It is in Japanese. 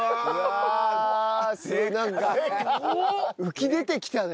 浮き出てきたね。